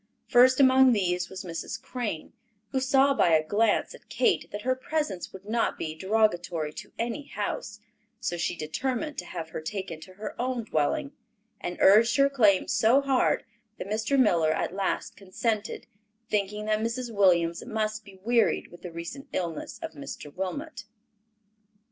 First among these was Mrs. Crane, who saw by a glance at Kate that her presence would not be derogatory to any house, so she determined to have her taken to her own dwelling, and urged her claim so hard that Mr. Miller at last consented, thinking that Mrs. Williams must be wearied with the recent illness of Mr. Wilmot.